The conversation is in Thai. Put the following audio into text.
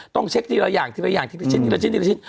ต้องเช็คทีละอย่างทีละอย่างทีชิ้นทีละชิ้นทีละชิ้น